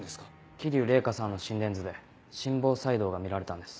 桐生麗香さんの心電図で心房細動が見られたんです。